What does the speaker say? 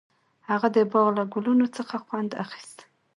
هغه د باغ له ګلونو څخه خوند اخیست.